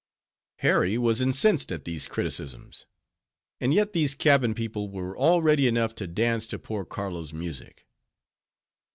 Harry was incensed at these criticisms; and yet these cabin people were all ready enough to dance to poor Carlo's music.